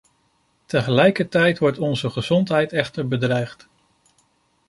Tegelijkertijd wordt onze gezondheid echter bedreigd.